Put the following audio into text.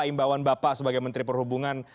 imbauan bapak sebagai menteri perhubungan